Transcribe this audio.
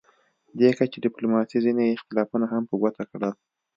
دې کچې ډیپلوماسي ځینې اختلافونه هم په ګوته کړل